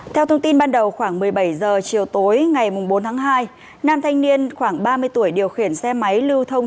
theo thông tin ban đầu khoảng một mươi bảy h chiều tối ngày bốn tháng hai nam thanh niên khoảng ba mươi tuổi điều khiển xe máy lưu thông